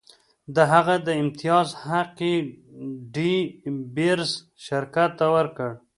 د هغه د امتیاز حق یې ډي بیرز شرکت ته ورکړ.